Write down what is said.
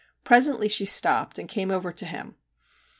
Presently she stopped and came over to him.